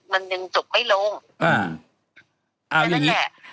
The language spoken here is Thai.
มันยังจบไม่ลงแล้วนั้นแหละ